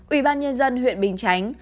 ủy ban nhân dân huyện bình chánh